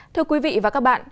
thưa quý vị và các bạn